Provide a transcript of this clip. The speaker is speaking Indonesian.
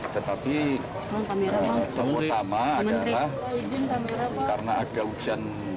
tetapi yang pertama adalah karena ada hujan